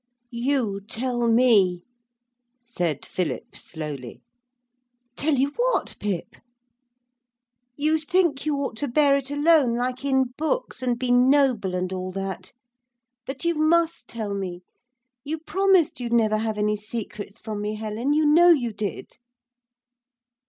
'You tell me,' said Philip slowly. 'Tell you what, Pip?' 'You think you ought to bear it alone, like in books, and be noble and all that. But you must tell me; you promised you'd never have any secrets from me, Helen, you know you did.'